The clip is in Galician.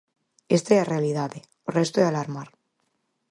Esta é a realidade, o resto é alarmar.